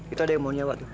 itu ada yang mau nyawa tuh